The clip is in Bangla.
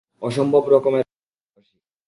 অসম্ভব রকমের ভালোবাসি!